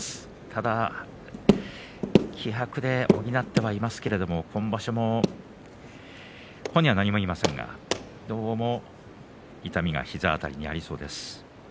ただ気迫で、補ってはいますけれども今場所も本人は何も言いませんが、どうも痛みが膝辺りにありそうです。